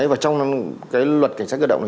và trong luật cảnh sát cơ động